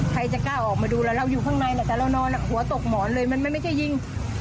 ใครจะกล้าออกมาดูแล้วเราอยู่ข้างในแต่เรานอนหัวตกหมอนเลยมันไม่ใช่ยิง